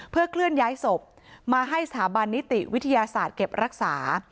เพื่อเคลื่อนย้ายศพมาให้สถาบันนิติวิทยาศาสตร์เก็บรักษา